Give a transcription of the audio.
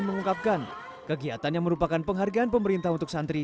mengungkapkan kegiatan yang merupakan penghargaan pemerintah untuk santri